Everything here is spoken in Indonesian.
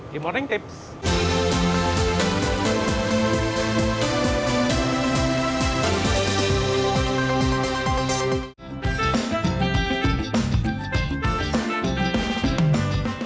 di morning tips